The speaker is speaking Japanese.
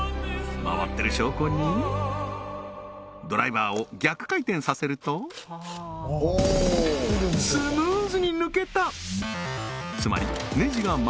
回ってる証拠にドライバーを逆回転させるとスムーズに抜けた！